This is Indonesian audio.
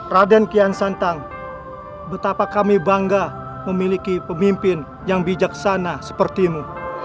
raden kian santang betapa kami bangga memiliki pemimpin yang bijaksana sepertimu